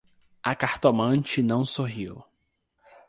A cartomante não sorriu: